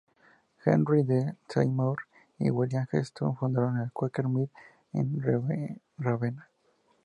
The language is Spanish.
Henry D. Seymour y William Heston fundaron la Quaker Mill en Ravenna.